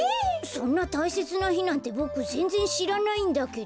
そんなたいせつなひなんてボクぜんぜんしらないんだけど。